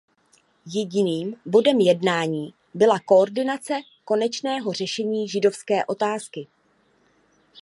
Jediným bodem jednání byla koordinace konečného řešení židovské otázky.